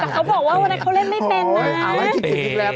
แต่เขาบอกว่าวันนั้นเขาเล่นไม่เป็นนะ